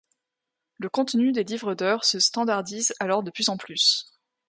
Le contenu des livres d'heures se standardise alors de plus en plus.